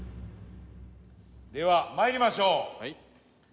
ではまいりましょう。